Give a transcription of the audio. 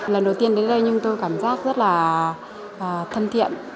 lần đầu tiên đến đây nhưng tôi cảm giác rất là thân thiện